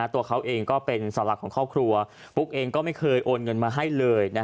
ตัวเขาเองก็เป็นสาวหลักของครอบครัวปุ๊กเองก็ไม่เคยโอนเงินมาให้เลย